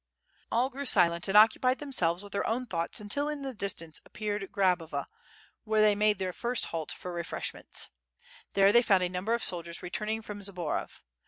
All grew silent and occupied themselves with their own thoughts until in the distance appeared Grabova, where they made thei/ fir^t halt for refreshments. There they found a number of soldiers returning from Zborov.